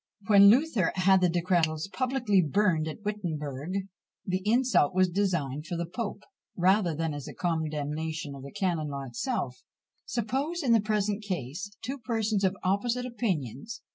When Luther had the Decretals publicly burnt at Wittemberg, the insult was designed for the pope, rather than as a condemnation of the canon law itself. Suppose, in the present case, two persons of opposite opinions.